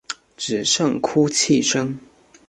只剩哭泣声